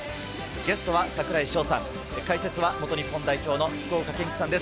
ゲストは櫻井翔さん、解説は元日本代表の福岡堅樹さんです。